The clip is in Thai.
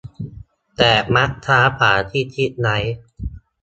แต่มักช้ากว่าที่คิดไว้